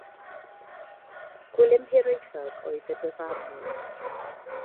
Gwilym Hiraethog oedd y dyfarnwr.